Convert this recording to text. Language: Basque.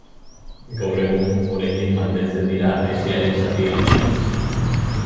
Gaur egun, oraindik mantentzen dira harresiaren zati handiak.